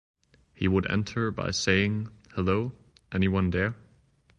He would enter by saying, Hello, anyone there?